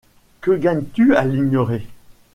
Que gagnes-tu à l’ignorer?